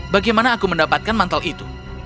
bagaimana aku mendapatkan mantel itu